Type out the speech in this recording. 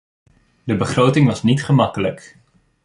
De begroting was niet gemakkelijk.